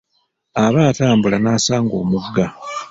Aba atambula n'asanga omugga.